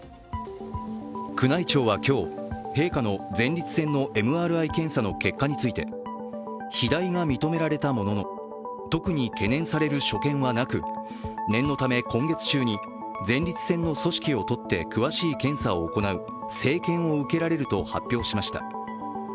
宮内庁は今日、陛下の前立腺のＭＲＩ検査の結果について、肥大が認められたものの特に懸念される所見はなく念のため今月中に前立腺の組織を採って詳しい検査を行う生検を受けられると発表しました。